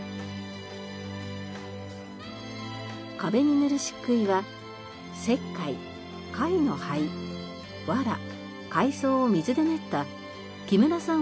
壁に塗る漆喰は石灰貝の灰わら海藻を水で練った木村さん